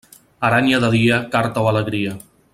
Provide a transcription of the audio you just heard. Aranya de dia, carta o alegria.